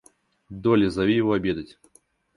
Долли, зови его обедать!